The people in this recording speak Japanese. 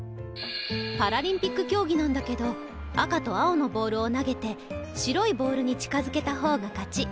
パラリンピック競技なんだけど赤と青のボールを投げて白いボールに近づけた方が勝ち。